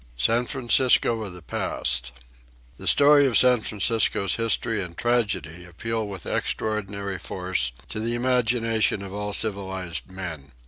San Francisco of the Past The story of San Francisco's history and tragedy appeal with extraordinary force to the imagination of all civilized men.